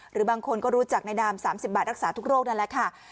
หรือบางคนก็รู้จักในนาม๓๐บาทรักษาทุกโรคนั่นแหละค่ะ